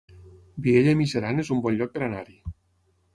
Vielha e Mijaran es un bon lloc per anar-hi